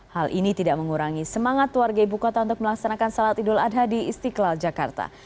hal ini tidak mengurangi semangat warga ibu kota untuk melaksanakan sholat idul adha di istiqlal jakarta